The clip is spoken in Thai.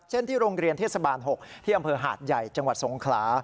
ที่โรงเรียนเทศบาล๖ที่อำเภอหาดใหญ่จังหวัดสงขลา